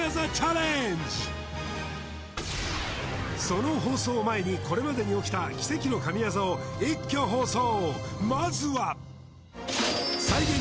その放送を前にこれまでに起きた奇跡の神業を一挙放送！